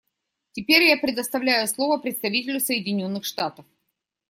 Теперь я предоставляю слово представителю Соединенных Штатов.